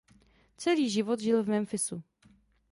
Celý život žil v Memphisu.